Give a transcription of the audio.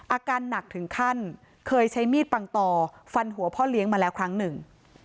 อาการหนักถึงขั้นเคยใช้มีดปังต่อฟันหัวพ่อเลี้ยงมาแล้วครั้งหนึ่ง